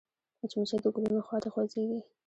مچمچۍ د ګلونو خوا ته خوځېږي